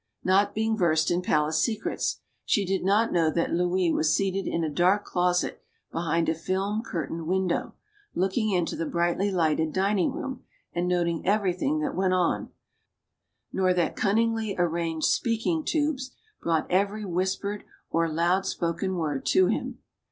Not being versed in palace secrets, she did not know that Louis was seated in a dark closet behind a film curtained window, looking into the brightly lighted dining room and noting everything that went on, ncr that cunningly arranged speaking tubes brought ever/ whispered or loud spoken word to him.